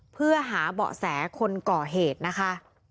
เพื่อหาเบาะแสคนก่อเหตุนะคะ